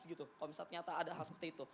kalau misalnya ternyata ada hal seperti itu